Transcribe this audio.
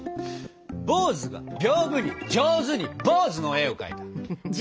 坊主がびょうぶに上手に坊主の絵を描いた。